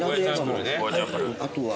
あとは？